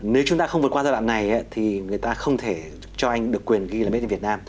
nếu chúng ta không vượt qua giai đoạn này thì người ta không thể cho anh được quyền ghi là made in việt nam